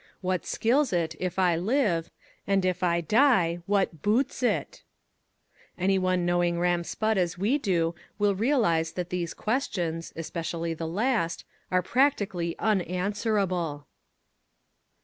What skills it if I live, and if I die, What boots it? Any one knowing Ram Spudd as we do will realize that these questions, especially the last, are practically unanswerable.